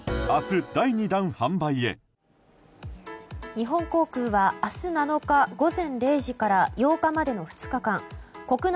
日本航空は明日７日午前０時から８日までの２日間国内